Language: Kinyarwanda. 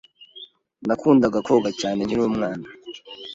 Nakundaga koga cyane nkiri umwana.